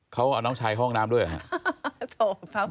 เค้าเอาน้องชายห้องน้ำด้วยครับ